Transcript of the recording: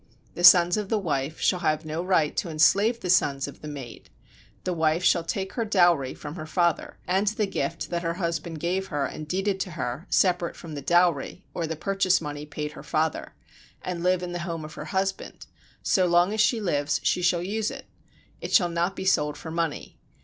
The sons of the wife shall have no right to enslave the sons of the maid; the wife shall take her dowry [from her father], and the gift that her husband gave her and deeded to her [separate from dowry, or the purchase money paid her father], and live in the home of her husband: so long as she lives she shall use it, it shall not be sold for money.